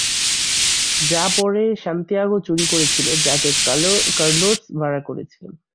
যা পরে সান্তিয়াগো চুরি করেছিল, যাকে কার্লোস ভাড়া করেছিলেন।